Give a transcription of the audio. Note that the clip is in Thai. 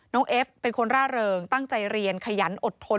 เอฟเป็นคนร่าเริงตั้งใจเรียนขยันอดทน